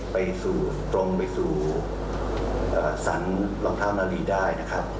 ไปสู่ตรงไปสู่อ่าสรรค์ท้าวนาลีได้นะครับ